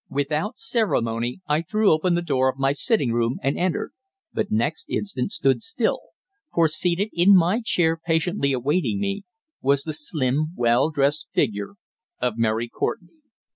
Without ceremony I threw open the door of my sitting room and entered, but next instant stood still, for, seated in my chair patiently awaiting me was the slim, well dressed figure of Mary Courtenay.